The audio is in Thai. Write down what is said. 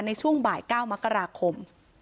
ในช่วงบ่าย๙มกราคม